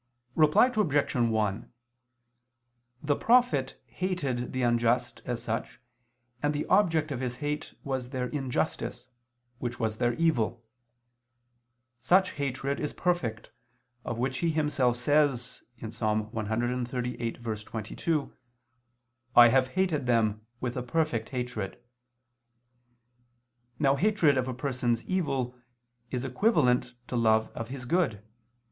Reply Obj. 1: The prophet hated the unjust, as such, and the object of his hate was their injustice, which was their evil. Such hatred is perfect, of which he himself says (Ps. 138:22): "I have hated them with a perfect hatred." Now hatred of a person's evil is equivalent to love of his good.